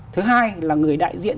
thứ hai là người đại diện